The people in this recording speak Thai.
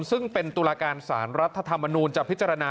ซึ่งเป็นตุลาการสารรัฐธรรมนูลจะพิจารณา